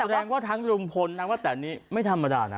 แสดงว่าทั้งลุงพลแทนเนี่ยไม่ธรรมดา